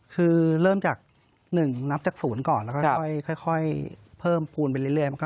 คือเริ่มจาก๑นับจากศูนย์ก่อนแล้วก็ค่อยเพิ่มภูมิไปเรื่อย